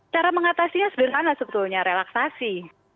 cara mengatasinya sederhana sebetulnya relaksasi